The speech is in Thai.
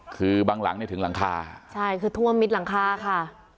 คือบางหลังเนี่ยถึงหลังคาใช่คือท่วมมิดหลังคาค่ะ